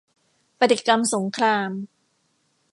ปฏิกรรมสงคราม